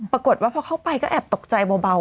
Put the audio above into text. ปรากฏว่าพอเข้าไปก็แอบตกใจเบา